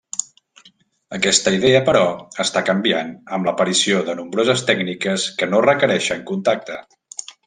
Aquesta idea, però, està canviant amb l'aparició de nombroses tècniques que no requereixen contacte.